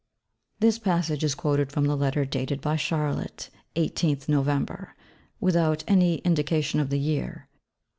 ' This passage is quoted from the Letter dated by Charlotte 18_th November_, without any indication of the year.